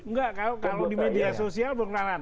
enggak kalau di media sosial